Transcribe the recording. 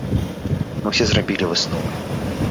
Мы ўсе зрабілі высновы.